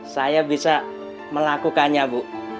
saya bisa melakukannya bu